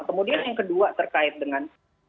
kemudian yang kedua terkait dengan